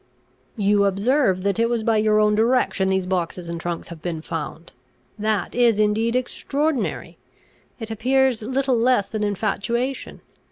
"You observe that it was by your own direction these boxes and trunks have been found: that is indeed extraordinary. It appears little less than infatuation.